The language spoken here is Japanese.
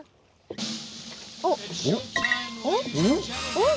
おっ。